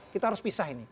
kita harus pisah ini